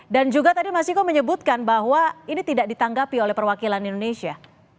dan juga tadi mas iko menyebutkan bahwa ini tidak ditanggapi oleh perwakilan indonesia